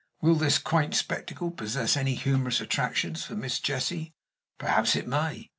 Will this quaint spectacle possess any humorous attractions for Miss Jessie? Perhaps it may.